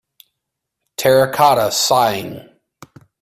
Terracotta Sighing.